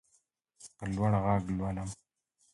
په لوړ غږ لولم.